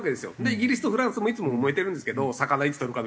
イギリスとフランスもいつももめてるんですけど魚いつとるか？